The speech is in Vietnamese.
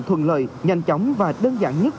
thuận lợi nhanh chóng và đơn giản nhất